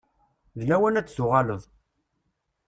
D lawan ad tuɣaleḍ.